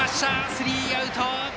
スリーアウト。